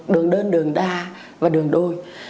đường đơn đường đa và đường đôi